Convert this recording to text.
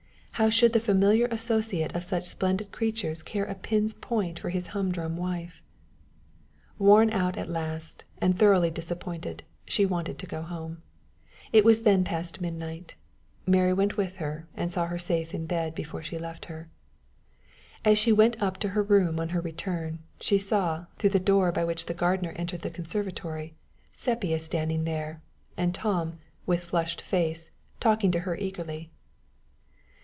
How should the familiar associate of such splendid creatures care a pin's point for his humdrum wife? Worn out at last, and thoroughly disappointed, she wanted to go home. It was then past midnight. Mary went with her, and saw her safe in bed before she left her. As she went up to her room on her return, she saw, through the door by which the gardener entered the conservatory, Sepia standing there, and Tom, with flushed face, talking to her eagerly.